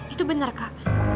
itu benar kak